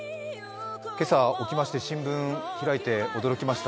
今朝、起きまして新聞を開いて驚きました。